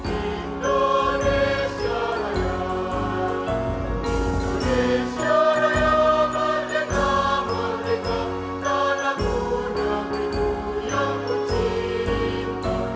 indonesia raya merdeka merdeka tanah punan itu yang ku cinta